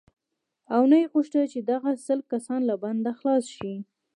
او نه یې غوښتل چې دغه سل کسان له بنده خلاص شي.